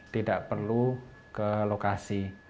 tidak perlu ke lokasi